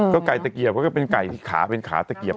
ก็ไก่ตะเกียบก็เป็นไก่ที่ขาเป็นขาตะเกียบ